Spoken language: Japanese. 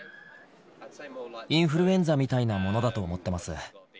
インフルエンザみたいなものだと思っています。